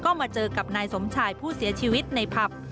ก็มาเจอกับนายสมชายผู้เสียชีวิตในผับ